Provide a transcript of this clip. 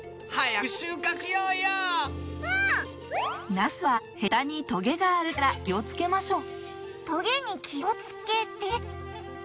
ナスはヘタにトゲがあるから気をつけましょうトゲに気をつけて。